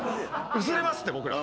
薄れますって僕ら。